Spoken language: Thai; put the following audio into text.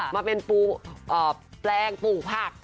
มาเป็นปูแปลงปูผัก